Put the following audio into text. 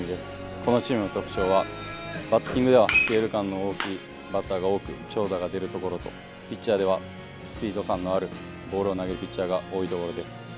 このチームの特徴はバッティングでは、スケール感の大きいバッターが多く長打が出るところとピッチャーではスピード感のあるボールを投げるピッチャーが多いところです。